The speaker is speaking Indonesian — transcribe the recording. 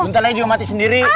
buntalanya juga mati sendiri